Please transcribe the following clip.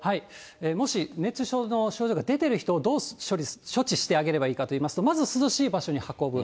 もし熱中症の症状が出てる人を、どう処置してあげればいいかといいますと、まず涼しい場所に運ぶ。